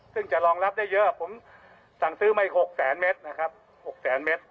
ซึ่งจะรองรับได้เยอะผมสั่งซื้อมาอีก๖แสนเมตรนะครับ๖แสนเมตร